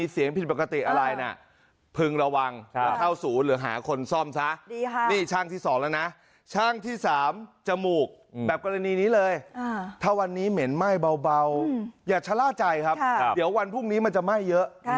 เดี๋ยววันพรุ่งนี้มันจะไหม้เยอะ